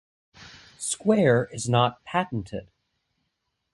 Square is not patented.